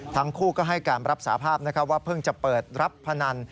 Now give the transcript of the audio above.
ทั้งคู่ก็ให้การรับสาภาพว่าเพิ่งจะเปิดรับพนัน